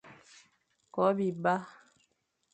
Ko biba.